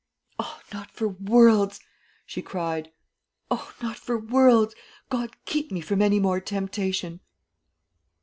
"O, not for worlds!" she cried, "O, not for worlds! God keep me from any more temptation!"